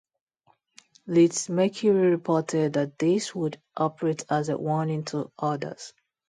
Leeds Mercury reported that this would "operate as a warning to others".